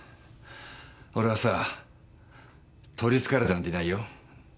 俺はさ取りつかれてなんていないよ。